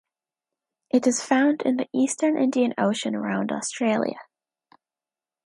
It is found in the eastern Indian Ocean around Australia.